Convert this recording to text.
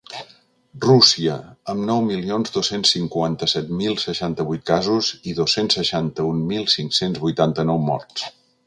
Rússia, amb nou milions dos-cents cinquanta-set mil seixanta-vuit casos i dos-cents seixanta-un mil cinc-cents vuitanta-nou morts.